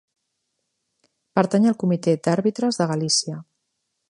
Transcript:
Pertany al Comitè d'Àrbitres de Galícia.